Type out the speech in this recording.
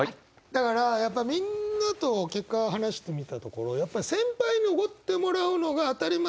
だからやっぱみんなと結果話してみたところやっぱり先輩におごってもらうのが当たり前っていうのがおかしい。